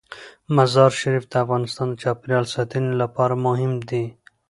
مزارشریف د افغانستان د چاپیریال ساتنې لپاره مهم دي.